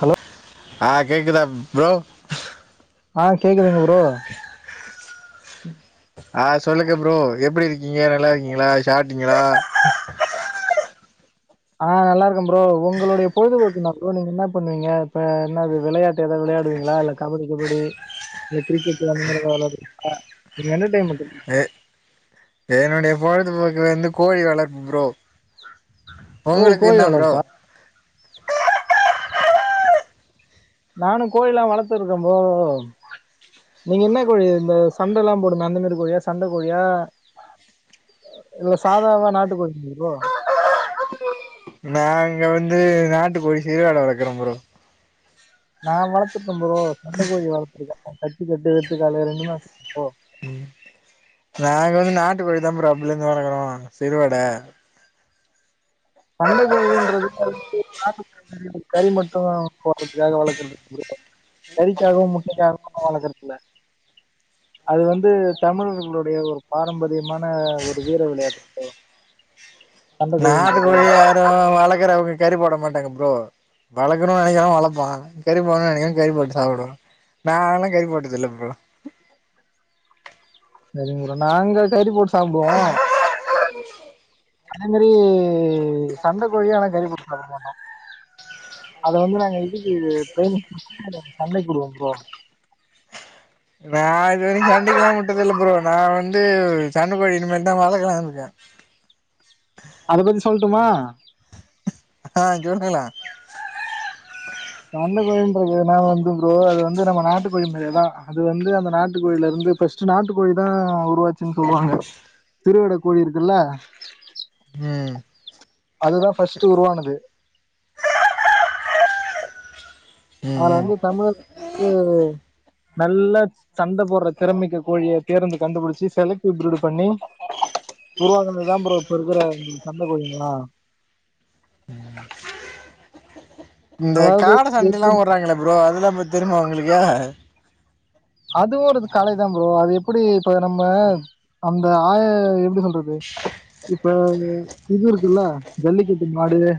hello ஆ கேக்குதா bro ஆ கேக்குதுங்க ப்ரோ ஆ சொல்லுங்க ப்ரோ எப்டி இருக்கீங்க நல்லா இருக்கீங்களா சாப்டீங்களா ஆ நல்லாருக்கே ப்ரோ உங்களுடைய பொழுதுபோக்குன்னா ப்ரோ நீங்க இன்னா பண்ணுவீங்க இப்ப என்னது விளையாட் இப்ப ஏதாவது விளையாடுவீங்களா இல்ல கபடி கிபடி கிரிக்கெட் அந்த மாரி எதாவது விளையாடுறது இருக்கா என்டர்டைன்மெண்ட்க்கு எ என்னுடைய பொழுதுபோக்கு வந்து கோழி வளர்ப்பு ப்ரோ ஓ ஒங்களுக்கு கோழி என்ன ப்ரோ வளர்ப்பா நானு கோழில்லா வளர்த்துருக்கே ப்ரோ நீங்க என்ன கோழி இந்த சண்டல்லா போடுமே அந்த மாரி கோழியா சண்ட கோழியா இது ஒரு சாதாவ நாட்டு கோழி ப்ரோ நாங்க வந்து நாட்டு கோழி சீறா வளக்கறே ப்ரோ நான் வளர்த்துக்கே ப்ரோ சண்டகோழி வளர்த்துருக்கே கத்திபட்டு வெட்டு அலையறங்னா நாங்க வந்து நாட்டு கோழி தா ப்ரோ அப்பல்ல இருந்து வளக்குறோ சிறுவோட [inaudible] கறி மட்டுந்தா போட்றதுக்காக வளக்குறது கறிக்காவு முட்டைக்காவு வளக்குறதில்ல அது வந்து தமிழர்களுடைய ஒரு பாரம்பரியமான ஒரு வீர விளையாட்டு ப்ரோ சண்ட கோழி இப்பியு யாரு வழக்கற வி கறி போட மாட்டங்க ப்ரோ வளக்கணும்னு நெனைகிறவே வளப்பா கறி போடணும்னு நெனைக்கிறவே கறிப்போட்டு சாப்டுவா நா ஆனா கறி போட்டதுல்ல ப்ரோ நெஜோங்களா நாங்க கறி போட்டு சாப்டுவோ அதே மாரி சண்ட கோழியானா கறி போட்டு சாப்ட மாட்டோ அத வந்து நாங்க இதுக்கு ட்ரைனிங் கொடுத்து சண்டக்குடுவே ப்ரோ நா இது வரைக்கு சண்டைக்கெல்லா உட்டதில்ல ப்ரோ நா வந்து சண்ட கோழி இனிமேதா வழக்கலாணு இருக்கே அத பத்தி சொல்ட்டுமா ஆ சொல்லுங்கன்னா சண்ட கோழின்றதுனா வந்து ப்ரோ அது வந்து நம்ம நாட்டு கோழி மாரியேதா அது வந்து அந்த நாட்டு கோழில இருந்து ஃபஸ்ட் நாட்டு கோழிதா உருவாச் ச்சுன் சொல்லுவாங்க திருவிட கோழி இருக்குல்ல ம் அதுதா ஃபர்ஸ்ட் உருவானது ம் அதுல ம் வந்து தமிழர்க்கு நல்ல சண்ட போடுற திறமைக்கே கோழிய தேர்ந்து கண்டுபிடிச்சு செலக்ட்டிவ் ப்ரீடு பண்ணி உருவானது தா ப்ரோ இப்ப இருக்கற சண்ட கோலிங்களா இந்த அதாவது காட சண்ட எல்லா உட்றாங்கல்ல ப்ரோ அதெல்லாமே தெரிமே உங்களுக்கே அதுவு ஒரு கலைதா ப்ரோ அது எப்படி இப்ப நம்ப அந்த ஆ எப்டி சொல்றது இப் இப்ப இது இருக்குல்ல ஜல்லிக்கட்டு மாடுக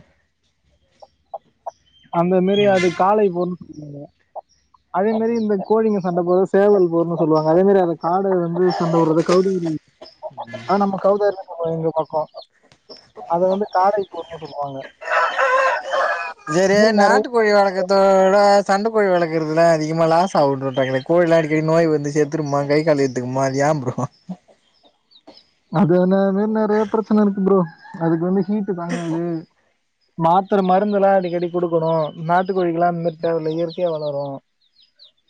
அந்த மேரி அது காளை [inaudible] அதே மாரி இந்த கோழிங்க சண்ட போர்றது சேவல் போர்னு சொல்லுவாங்க அதே மாரி அந்த காடை வந்து சண்ட போர்றது [unintelligible] ஆ நம்ம கௌதாரி [inaudible] எங்க பக்கோ அத வந்து காடை போர்ன்னு சொல்லுவாங்க செரி இது மாரி நெறைய நாட்டு கோழி வளக்கத்தோட சண்ட கோழி வளக்கறதுல அதிகமா லாஸ் ஆவுன்ட்றாய்ங்களே கோழ்ல்ல அடிக்கடி நோய் வந்து செ திருமா கை கால் எத்துக்குமா அது ஏம் ப்ரோ அதுன மார் நெறைய பிரச்சன இருக்கு ப்ரோ அதுக்கு வந்து ஹீட்டு தாங்காது மாத்ர மருந்தெல்லா அடிக்கடி குடுக்கணு நாட்டு கோழிக்கெல்லா அந்த மாரி தேவ இல்ல இயற்கையா வளரு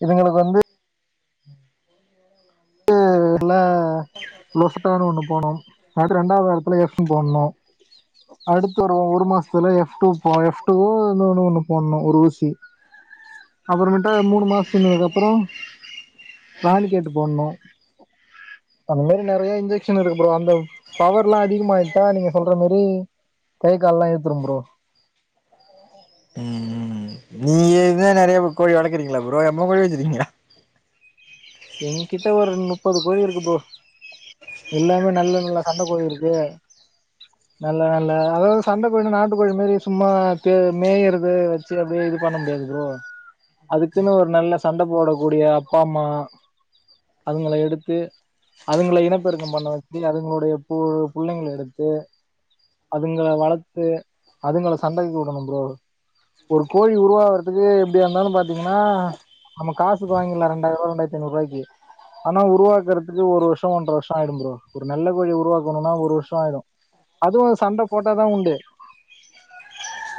இதுங்களுக்கு வந்து [inaudible] லோஸட்டானு ஒன்னு போடணு அது ரெண்டாவது எடத்துல ஃப் போன்ணு அடுத்து ஒரு ஒரு மாசத்துல எஃப் டூ போ எஃப் டூ இன்னொனு ஒண்ணு போட்ணு ஒரு ஊசி அப்புறமேட்டா மூணு மாஸ் சின்னத்துக்கு அப்பறோ ராணி கேட்டு போட்ணு அந்த மாரி நெறைய இன்ஜெக்ஷன் இருக்கு ப்ரோ அந்த பவர்லா அதிகம் ஆயிட்டா நீங்க சொல்ற மாரி கை கால் லா இழுத்திரும் ப்ரோ ஏ இப்ப கோழி வளக்றீங்ளா ப்ரோ எம்ம கோழி வச்சிருக்கீங்க எங்க்கிட்ட ஒரு முப்பது கோழி இருக்கு ப்ரோ எல்லாமே நல்ல நல்ல சண்ட கோழி இருக்கு நல்லா நல்ல அதாவது சண்ட கோழி நாட்டுக்கோழி மாரி சும்மா தே மேயிறது வச்சு அப்டியே இது பண்ண முடியாது ப்ரோ அதுக்குன்னு ஒரு நல்ல சண்ட போடக்கூடிய அப்பா அம்மா அதுங்கள எடுத்து அதுங்கள இனப்பெருக்கம் பண்ண வச்சு அதுங்களுடைய பு புள்ளைங்கள எடுத்து அதுங்கள வளத்து அதுங்கள சண்டைக்கு வுடணு ப்ரோ ஒரு கோழி உருவாவறதுக்கு எப்டியா இந்தாலு பாத்தீங்கன்னா நம்ம காசுக் வாங்கிரலா ரெண்டாயிரொ ரெண்டாயிரித்தைனுருவாய்க்கு ஆனா உருவாக்குறதுக்கு ஒரு வருஷ ஒன்றர வருஷ ஆயிடு ப்ரோ ஒரு நல்ல கோழி உருவாக்கணுனா ஒரு வருஷ ஆயிடு அதுவு சண்ட போட்டாதா உண்டு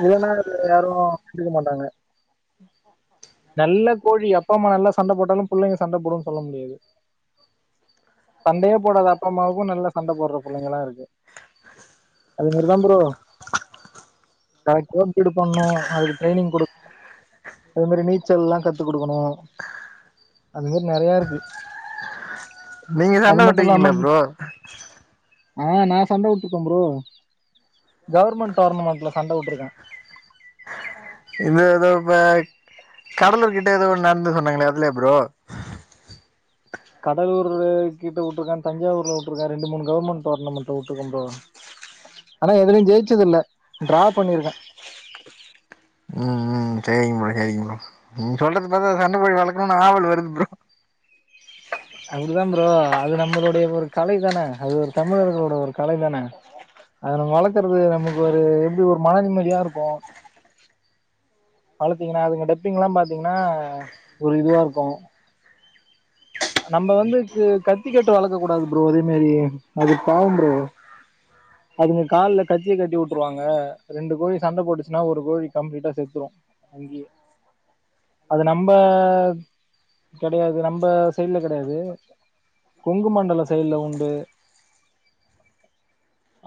இல்லன்னா அத யாரு கண்டுக்க மாட்டாங்க நல்ல கோழி அப்பா அம்மா நல்லா சண்ட போட்டாலு புள்ளைங்க சண்ட போடுன் சொல்ல முடியாது சண்டையே போடாத அப்பா அம்மாவுக்கு நல்லா சண்ட போட்ற புள்ளைங்கலா இருக்கு அது மாரி தாம் ப்ரோ அத [unintelligible] பண்ணு அதுக்கு ட்ரைனிங் கொடு அது மாரி நீச்சல் லா கத்து குடுக்கணு அது மேரி நெறைய இருக்கு நீங்க அது சண்ட மட்டும் விட்டுருக்கீங்ளா இல்லாம ப்ரோ ஆ நா சண்ட விட்ருக்கே ப்ரோ கவர்மெண்ட் டோர்னமெண்ட்ல சண்ட வுட்ருக்கே இந்த ஏதோ இப்ப கடலூர் கிட்ட ஏதோ நடந்து சொன்னாங்களா அதுலயா ப்ரோ கடலூர் கிட்ட வுட்டுருக்க தஞ்சாவூர்ல வுட்டுருக்க ரெண்டு மூணு கவர்மெண்ட் டோனர்மெண்ட்ல வுட்ருக்க ப்ரோ ஆனா எதுலியு ஜெய்ச்சது இல்ல ட்ரா பண்ணிருக்கே ம் ம் சேரி ப்ரோ சேரிங்க ப்ரோ நீங்க சொல்றது பாத்தா சண்டை கோழி வளர்க்கணுன்னு ஆவல் வருது ப்ரோ அப்டிதா ப்ரோ அது நம்மளுடைய ஒரு கலை தான அது ஒரு தமிழர்களோட ஒரு கலை தான அது நம்ம வளக்குறது நமக்கு ஒரு எப்டி ஒரு மன நிம்மதியா இருக்கு வளத்தீங்கனா அதுங்க டப்பிங்லா பாத்தீங்கனா ஒரு இதுவா இருக்கு நம்ம வந்து கத்திக்கட்டு வளர்க்கக் கூடாது ப்ரோ அதே மாரி அது பாவம் ப்ரோ [inaudible] அதுங்க கால்ல கத்திய கட்டி வுட்டுருவாங்க ரெண்டு கோழி சண்ட போட்டுச்சினா ஒரு கோழி கம்ப்ளீட்டா செத்துரு அது நம்ப கெடையாது நம்ப சைட்ல கெடையாது கொங்கு மண்டல சைட்ல உண்டு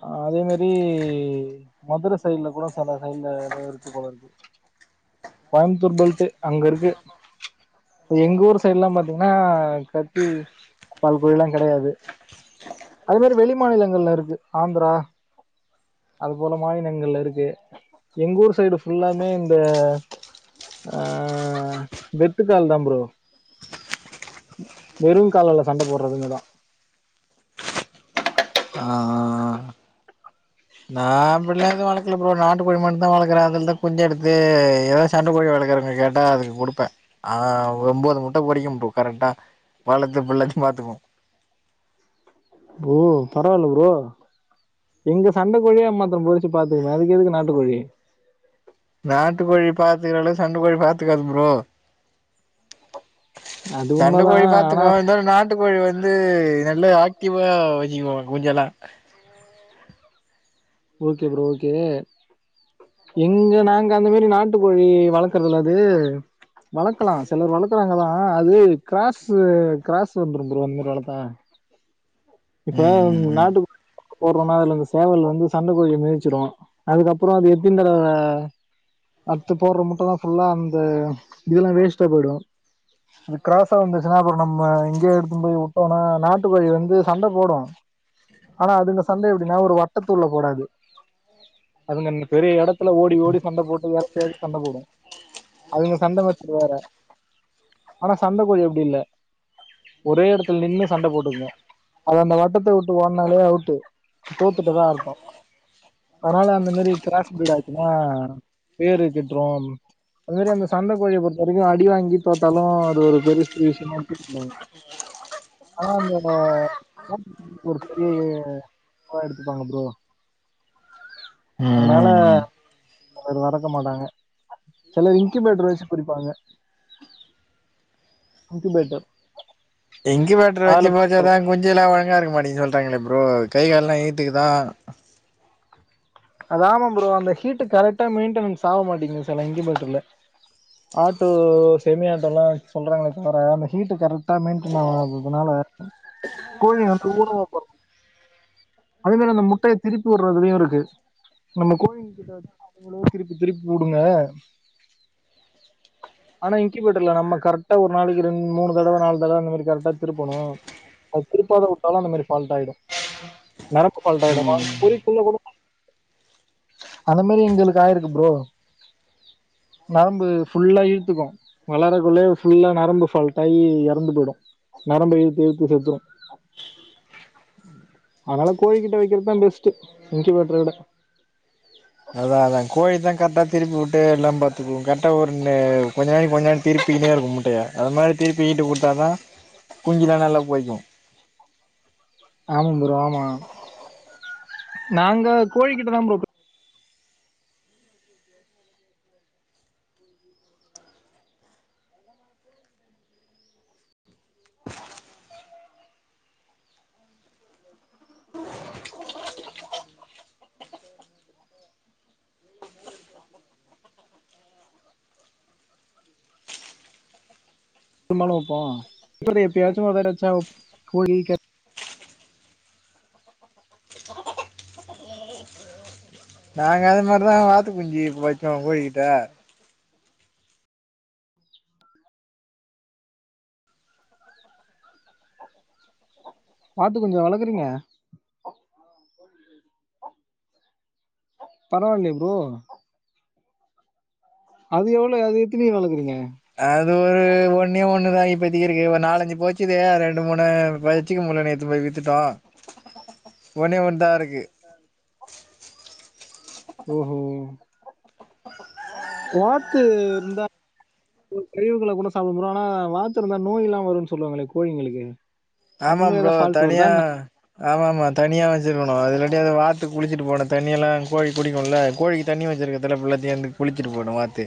ஆ அதே மேரி மதுர சைட்ல போனா செல சைட்ல ஏதோ இருக்கு போல இருக்கு கோயமுத்தூர் பெல்ட்டு அங்க இருக்கு எங்க ஊர் சைட்ல்லா பாத்தீங்கன்னா ஆ கத்தி கால்குழல்லா கெடையாது அது மாரி வெளி மாநிலங்கள்ல இருக்கு ஆந்த்ரா அது போல மாநிலங்கள்ள இருக்கு எங்க ஊர் சைடு ஃபுல்லாமே இந்த ஆ வெத்து கால்தா ப்ரோ வெறும் கால்லால சண்ட போடுறதுங்கதா ஆ ஆ ஆ நா அப்பிட்லா எது வளக்கல ப்ரோ நாட்டு கோழி மட் தா வளக்கற அதில்தா குஞ்ச் எடுத்து ஏதாச் சண்ட கோழி வளகுறவுங்க கேட்டா அதுக்கு குடுப்பே ஒம்போது முட்ட பொரிக்கும் ப்ரோ கரெக்டா வளத்த புள்ளைக்கு பாத்துக்குவோ ஓ பரவால்ல ப்ரோ இங்க சண்ட கோழியா மாத்துரு புடுச்சி பாத்துக்குனு அதுக்கு எதுக்கு நாட்டுக்கோழி நாட்டு கோழி பாத்துக்கிற அளவு சண்ட கோழி பாத்துக்காது ப்ரோ அது சண்ட உண்மதா கோழி ஆனா பாத்துக்கலா இந்த ஒரு நாட் ட்டு கோழி வந்து நல்ல ஆக்டிவா வச்சுக்வாங்க மூஞ்செல்லா ஓகே ப்ரோ ஓகே எங்க நாங்க அந்த மேரி நாட்டுக்கோழி வளக்கறது இல்ல அது வளர்க்கலா சிலர் வளர்க்குறாங்கதா அது க்ராஸு க்ராஸ் வந்துரு ப்ரோ அந்த மாரி வளத்தா இப்ப ம் ம் ம் நாட்டு போட்றனா அதுல அந்த சேவல் வந்து சண்ட கோழிய மெதிச்சிரு அதுக்கப்புற அது எத்தின் தடவ அடுத்து போற்ற முட்ட எல்லா ஃபுல்லா அந்த இதெல்லா வேஸ்ட்டா போய்டு இது கிராஸா வந்துருச்சுனா அப்புற நம்ம எங்கே எடுத்துன் போய் வுட்டனா நாட்டு கோழி வந்து சண்ட போடு ஆனா அதுங்க சண்ட எப்டினா ஒரு வட்டத்துள்ள போடாது அதுங் நம்ம பெரிய ஒடத்துல ஓடி ஓடி சண்ட போட்டு எறக்கி எறக்கி சண்ட போடு அதுங்க சண்ட மெத்தடு வேற ஆனா சண்ட கோழி அப்டி இல்ல ஒரே எடத்துல நின்னு சண்ட போடுங்க அது அந்த வட்டத்த வுட்டு ஓட்னாலே அவுட்டு தோத்துட்டதா அர்த்தோ அதனால அந்த மாரி கிராஸ் ஃபிரீட் ஆச்சின்னா பேரு கெட்ரு அது மேரி அந்த சண்டகோழி பொருத் இது வரைக்கு அடி வாங்கி தோத்தாலு அது ஒரு பெரிய விஷியமா [unintelligible] அதா அந்தோட ஒரு பெரிய இதுவா எடுத்துப்பாங்க ப்ரோ ம் ஆனா ல ம் ம் அது வளக்க மாட்டாங்க சிலர் இன்கிபேட்டர் வச்சி பிரிப்பாங்க இன்கு பேட்டர் இன்கி பேட்டர் வச்சு போச்சாதா கொஞ்சம் எல்லா ஒ வழங்கா இருக்க மாட்டின்னு சொல்ட்டாங்களே ப்ரோ கை கால் ஏத்துக்குதா அது ஆமா ப்ரோ அந்த ஹீட்டு கரெக்டா மெயின்டெனன்ஸ் ஆக மாட்டீங்க செல இன்கு பேட்டர்ல ஆட்டோ செமி ஆட்டோல்லாம் சொல்றாங்களே தவிர அந்த ஹீட்டு கரெக்ட் ஆ மெயின்டினா அது இதனால கோழி வந்து ஊனமா பொறக்கு அதேமாறி அந்த முட்டைய திருப்பி உட்றதையு இருக்கு நம்ம கோழிங்க கிட்ட வச்சி பாத்திங்களே திருப்பி திருப்பி உடுங்க ஆனா இன்கி பேட்டர்ல நம்ம கரெக்ட்டா ஒரு நாளைக்கு ரெண் மூணு தடவ நாலு தடவ அந்தமாறி கரெக்டா திருப்பணு அது திருப்பாத வுட்டால அந்தமாறி ஃபால்ட் ஆயிடு நரம்பு பால்ட் ஆயிடுமா ம் குறிக்குள்ள கூட அந்த மாறி எங்களுக்கு ஆயிருக்கு ப்ரோ நரம்பு ஃபுல்லாயி சுகம் வளரக்குள்ளே ஃபுல்லா நரம்பு ஃபால்ட்டாகி எறந்து போய்டு நரம்பு இழுத்து இழுத்து செத்துரு அதனால கோழிகிட்ட வைக்கிறதுதா பெஸ்ட்டு இன்கிபேட்ர விட அதா அதா கோழிதா கரெக்டா திருப்பி விட்டு எல்லா பாத்துக்கு கரெக்டா ஒருன்னு கொஞ்ச நாளைக்கு கொஞ்ச நா திருப்பிகினே இருக்கு முட்டைய அது மாரி திருப்பிகிட்டு குட்த்தானா குஞ்சிலா நல்லா பொரிக்கு ஆமா ப்ரோ ஆமா நாங்க கோழிகிட்டதாம் ப்ரோ உண்ணாலு வெப்போ [unintelligible] எப்பியாச்சு ஒருதட வச்சா உப் கோழிக நாங்க அத மார்தா வாத்து குஞ்சி வெச்சோ கோழிகிட்ட வாத்து குஞ்சா வளகுறீங்க பரவால்லியே ப்ரோ அது எவ்ளோ அது எத்தினி வளகுறீங்க அது ஒரு ஒன்னே ஒன்னுதா இப்பதிக்கி இருக்கு ஒரு நாலஞ்சு போச்சுதே அது ரெண்டு மூனு பல் சீக்க முல்ல நேத்து போய் வித்துட்டோ ஒனே ஒன்தா இருக்கு ஓஹோ வாத்து இருந்தா ஒரு கழிவுகள கூட சாப்பு ப்ரோ ஆனா வாத்து இருந்தா நோய் இல்லா வருன் சொல்லுவாங்களே கோழிங்கிளுக்கு ஆமாம் ப்ரோ தனியா ஆமா ஆமா தனியா வெச்சிக்கிணு அது இல்லாட்டி அது வாத்து குளிச்சுட்டு போனத் தண்ணி எல்லா கோழி குடிக்கு இல்ல கோழிக்கித் தண்ணி வெச்சிருக்கத்தல புல்லத்தி வந்து குளிச்சிட்டு போய்டு வாத்து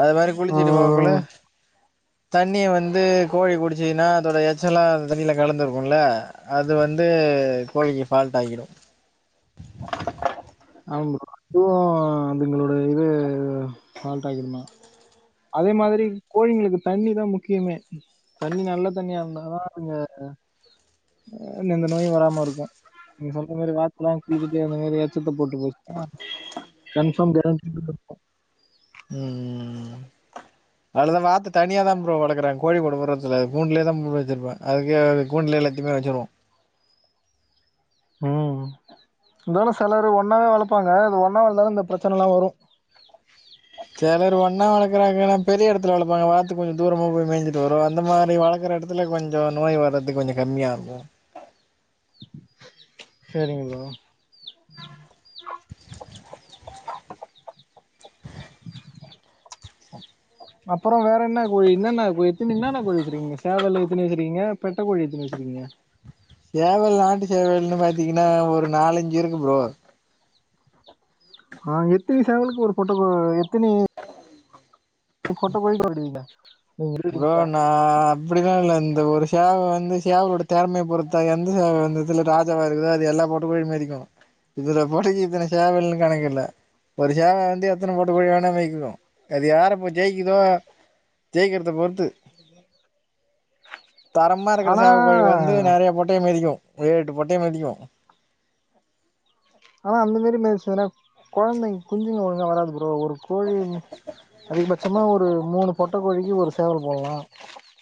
அது மாரி குளிச்சுட்டு போகுள்ள தண்ணிய வந்து கோழி குடிச்சின்னா அதோட எச் ச்சலா அந்த தண்ணில கலந்துருக்குல்ல அது வந்து கோழிக்கு ஃபால்ட்டாகிடு ஆம் ப்ரோ அதுவு அதுங்களோட இது ஃபால்ட்டாகிருந்தா அதே மாதிரி கோழிங்ளுக்கு தண்ணிதாம் முக்கியமே தண்ணி நல்லத் தண்ணியா இருந்தாதா அதுங்க இந்தந்த நோயு வராம இருக்கு நீங்க சொல்ற மேரி வாத்துலா குளிச்சிட்டு அந்த மேரி எச்சத்தப் போட் [unintelligible] ம் ம் ம் அலத வாத்து தனியாதாம் ப்ரோ வளகறாங் கோழிக்கூடு உரத்துல அது கூண்லேதாம் மு வெச்சருப்பே அதுகே அது கூண்லே எல்லாத்திமே வெச்சுருவோ ம் இதோட செலரு ஒன்னாவே வளப்பாங்க அது ஒன்னா வளந்தாலு இந்தப் பிரச்சனலா வரு செலரு ஒன்னா வளக்கறாங்கனாம் பெரிய எடத்துல வளப்பாங்க வாத்து கொஞ்ச தூரமா போய் மேஞ்சிட்டு வரு அந்த மாரி வளக்கற எடத் அதுல கொஞ்சோ நோய் வரது கொஞ்சோ கம்மியாகு சேரிங்க ப்ரோ அப்றோ வேற என்ன கோழி என்னென்ன கோ எத்தினி என்னன்ன கோழி வச்சிருக்கீங்க சேவலு எத்தினி வச்சிருக்கீங்க பெட்ட கோழி எத்தினி வச்சுருக்கீங்க சேவல் நாட்டு சேவல்ன்னு பாத்தீங்கன்னா ஒரு நாலஞ்சு இருக்கு ப்ரோ ஆ எத்தினி சேவலுக்கு ஒரு ஃபொட்டோ கோ எத்தனி பொட்ட கோழி விடுங்க ப்ரோ நா ஆ அப்டிலா இல்ல இந்த ஒரு ஷேவ வந்து சேவலோட தெறமைய் பொறுத்தா எந்த சேவல் வந்துத் இதுல ராஜா மார் இருக்குதா அது எல்லா பொட்டு கோழி மிதிக்கு இதுல பொடிக்கி இத்தன சேவல்ன்னு கணக்கில்ல ஒரு சேவ வந் தே எத்தன பொட்ட கோழி வேணா மேய்க்கணு எது யாரப்போ ஜெயிக்கிதோ ஜெய்க்கிறத பொற் த்து தரமா இருக்குற ஆனா சேவ கோழி வந்து நறையா பொட்டைய மிதிக்கு ஏழ் எட்டு பொட்டைய மிதிக்கு ஆனா அந்த மாரி மிதுச்சுனப் கொழந்தைங் குஞ்சிங்க ஒழுங்கா வராது ப்ரோ ஒரு கோழிம் அதிகபச்சமா ஒரு மூணு பொட்ட கோழிக்கி ஒரு சேவல் போலா